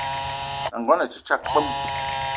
N’nagono a te tsag kpwem.